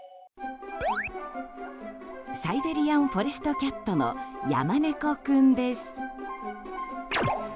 サイベリアン・フォレスト・キャットのヤマネコ君です。